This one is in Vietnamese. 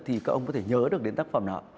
thì các ông có thể nhớ được đến tác phẩm nào ạ